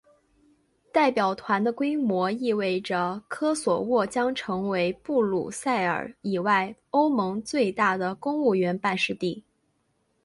代表团的规模意味着科索沃将成为布鲁塞尔以外欧盟最大的公务员办事地。